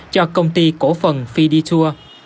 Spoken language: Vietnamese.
cho công ty cổ phần fiditur